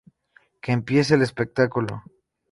¡Qué empiece el espectáculo!